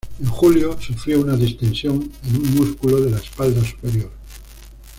En julio sufrió una distensión en un músculo de la espalda superior.